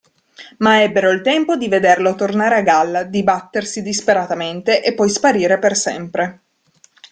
Ma ebbero il tempo di vederlo tornare a galla, dibattersi disperatamente e poi sparire per sempre.